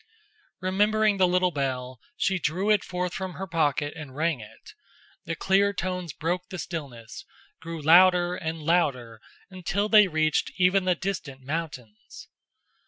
Remembering the little bell, she drew it forth from her pocket and rang it. The clear tones broke the stillness, grew louder and louder until they reached even the distant mountains.